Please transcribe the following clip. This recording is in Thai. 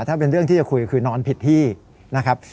ถ้าเป็นเรื่องที่จะคุยคือนอนผิดที่นะครับ